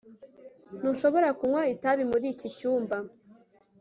Ntushobora kunywa itabi muri iki cyumba